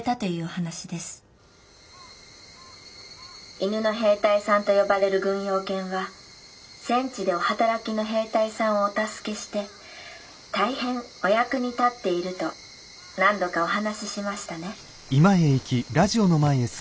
「犬の兵隊さんと呼ばれる軍用犬は戦地でお働きの兵隊さんをお助けして大変お役に立っていると何度かお話ししましたね」。